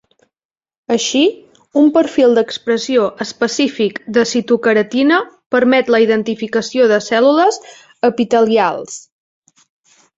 Així, un perfil d'expressió específic de citoqueratina permet la identificació de cèl·lules epitelials.